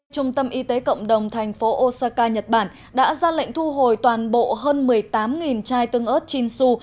trung tâm y tế cộng đồng thành phố osaka nhật bản đã ra lệnh thu hồi toàn bộ hơn một mươi tám chai tương ớt chinsu